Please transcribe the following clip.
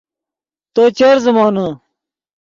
تو چر زیمونے